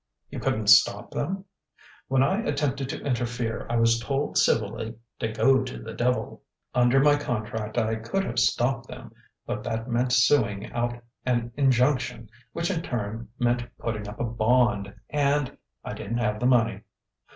"You couldn't stop them?" "When I attempted to interfere, I was told civilly to go to the devil. Under my contract, I could have stopped them: but that meant suing out an injunction, which in turn meant putting up a bond, and I didn't have the money."